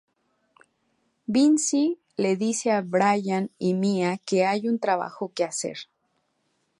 Vince le dice a Brian y Mía que hay un trabajo que hacer.